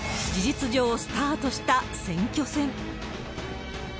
事実上スタートした選挙戦。